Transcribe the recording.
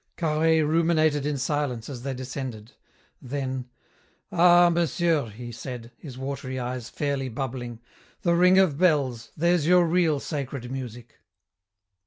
Carhaix ruminated in silence as they descended. Then, "Ah, monsieur," he said, his watery eyes fairly bubbling, "the ring of bells, there's your real sacred music."